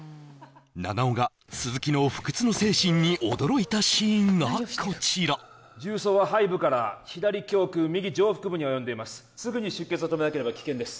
菜々緒が鈴木の不屈の精神に驚いたシーンがこちら銃創は背部から左胸腔右上腹部に及んでいますすぐに出血を止めなければ危険です